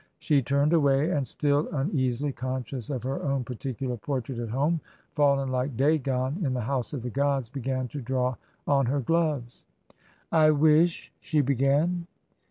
She turned away and, still un easily conscious of her own particular portrait at home — &llen like Dagon in the house of the gods — ^began to draw on her gloves. " I wish " she began.